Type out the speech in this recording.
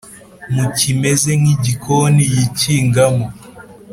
mu kimeze nk’igikono yikingamo